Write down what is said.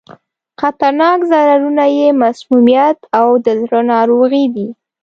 خطرناک ضررونه یې مسمومیت او د زړه ناروغي دي.